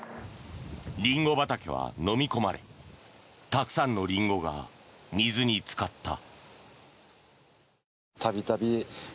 リンゴ畑はのみ込まれたくさんのリンゴが水につかった。